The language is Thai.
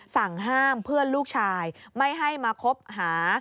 สั่งห้ามเพื่อนลูกชายไม่ให้มาคบหา